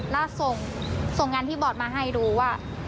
แล้วส่งงานพี่บอร์ดมาให้ดูว่า